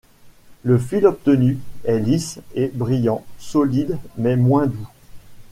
Le fil obtenu est lisse et brillant, solide mais moins doux.